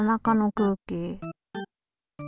空気？